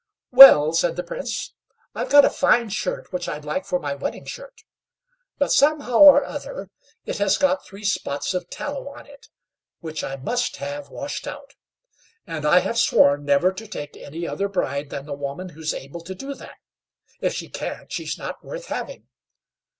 "Well," said the Prince, "I've got a fine shirt which I'd like for my wedding shirt, but somehow or other it has got three spots of tallow on it, which I must have washed out; and I have sworn never to take any other bride than the woman who's able to do that. If she can't, she's not worth having."